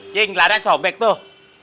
ging lada cowbek tuh